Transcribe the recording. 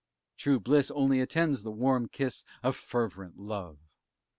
True bliss only attends the warm kiss of fervent love.